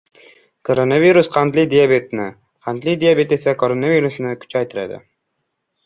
Koronavirus qandli diabetni, qandli diabet esa koronavirusni kuchaytiradi